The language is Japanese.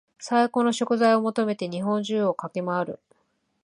最高の食材を求めて日本中を駆け回る